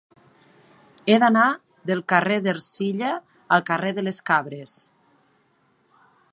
He d'anar del carrer d'Ercilla al carrer de les Cabres.